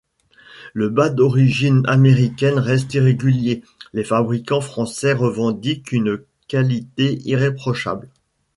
Le bas d'origine américaine reste irrégulier, les fabricants français revendiquent une qualité irréprochable.